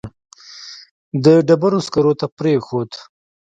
د ډبرو سکرو ته پرېښود.